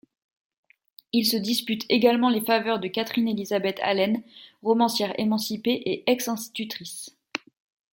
Ils se disputent également les faveurs de Catherine Elizabeth Allen, romancière émancipée et ex-institutrice...